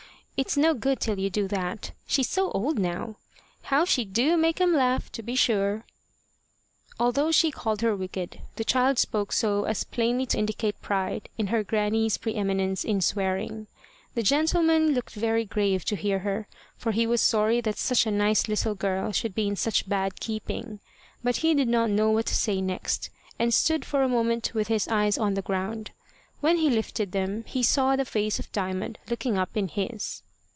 It's no good till you do that she's so old now. How she do make them laugh, to be sure!" Although she called her wicked, the child spoke so as plainly to indicate pride in her grannie's pre eminence in swearing. The gentleman looked very grave to hear her, for he was sorry that such a nice little girl should be in such bad keeping. But he did not know what to say next, and stood for a moment with his eyes on the ground. When he lifted them, he saw the face of Diamond looking up in his.